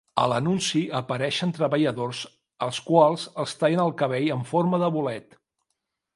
A l'anunci apareixen treballadors als quals els tallen el cabell "en forma de bolet".